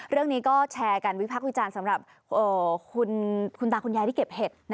เรื่องนี้ก็แชร์กันวิพักษ์วิจารณ์สำหรับคุณตาคุณยายที่เก็บเห็ด